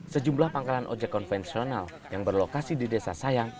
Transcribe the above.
sejumlah pangkalan ojek konvensional yang berlokasi di desa sayang